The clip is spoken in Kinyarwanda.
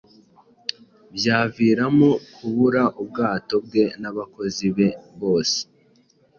byaviramo kuburaubwato bwe n'abakozi be boe.